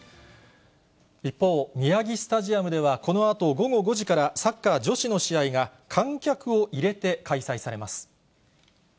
一方、宮城スタジアムでは、このあと午後５時から、サッカー女子の試合が、観客を入れて開催されます。